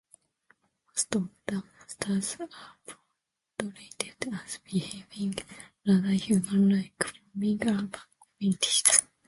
Most of the monsters are portrayed as behaving rather human-like, forming urban communities.